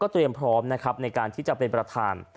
เตรียมพร้อมนะครับในการที่จะเป็นประธาน